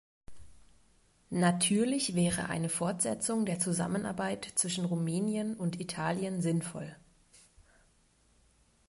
Natürlich wäre eine Fortsetzung der Zusammenarbeit zwischen Rumänien und Italien sinnvoll.